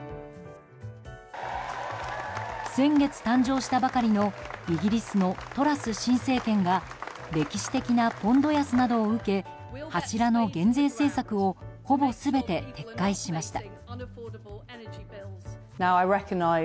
先月誕生したばかりのイギリスのトラス新政権が歴史的なポンド安などを受け柱の減税政策をほぼ全て撤回しました。